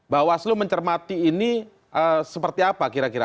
bawaslu mencermati ini seperti apa kira kira